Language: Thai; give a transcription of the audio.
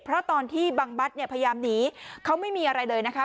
เพราะตอนที่บังบัตรเนี่ยพยายามหนีเขาไม่มีอะไรเลยนะคะ